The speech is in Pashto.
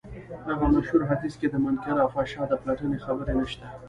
هغه مشهور حديث کې د منکر او فحشا د پلټنې خبره نشته.